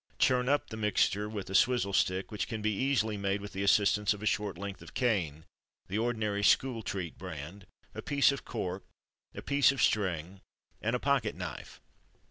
Churn up the mixture with a swizzle stick, which can be easily made with the assistance of a short length of cane (the ordinary school treat brand) a piece of cork, a bit of string, and a pocket knife.